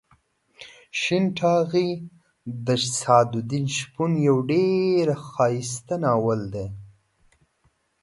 شین ټاغۍ د سعد الدین شپون یو ډېر ښایسته ناول دی.